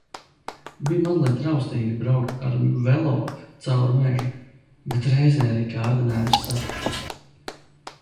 Bija mazliet raustīgi braukt ar velo caur mežu, bet reizē arī kārdinājums satikties.